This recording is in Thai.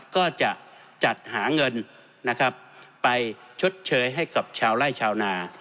ก็จะจัดหาเงินนะครับไปชดเชยให้กับชาวไล่ชาวนา